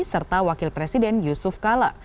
serta wakil presiden yusuf kala